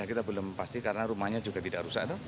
kita belum pasti karena rumahnya juga tidak rusak